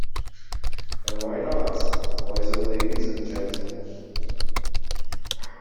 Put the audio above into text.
And why not, boys and ladies and gentlemen?